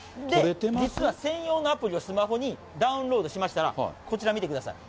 実は専用のアプリをスマホにダウンロードしましたら、こちら見てください。